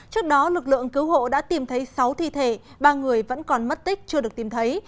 trước đó lực lượng cứu hộ đã tìm thấy sáu thi thể ba người vẫn còn mất tích chưa được tìm thấy